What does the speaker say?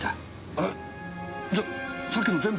えじゃさっきの全部嘘？